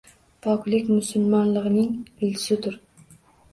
Poklik musulmonlig’ning ildizidur